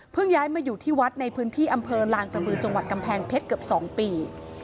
ย้ายมาอยู่ที่วัดในพื้นที่อำเภอลางกระบือจังหวัดกำแพงเพชรเกือบ๒ปี